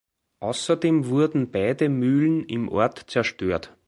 Außerdem wurden beide Mühlen im Ort zerstört.